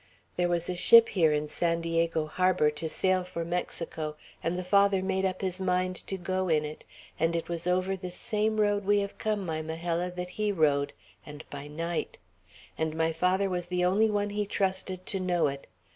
There was a ship here in San Diego harbor, to sail for Mexico, and the Father made up his mind to go in it; and it was over this same road we have come, my Majella, that he rode, and by night; and my father was the only one he trusted to know it.